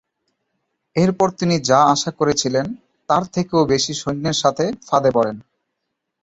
এরপর তিনি যা আশা করেছিলেন তার থেকেও বেশি সৈন্যের সামনে ফাঁদে পড়েন।